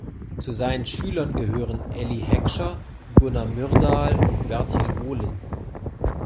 Zu seinen Schülern gehören Eli Heckscher, Gunnar Myrdal und Bertil Ohlin.